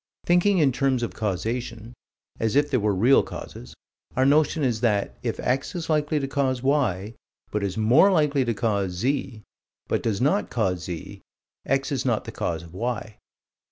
Thinking in terms of causation as if there were real causes our notion is that, if X is likely to cause Y, but is more likely to cause Z, but does not cause Z, X is not the cause of Y.